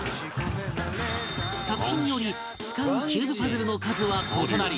作品により使うキューブパズルの数は異なり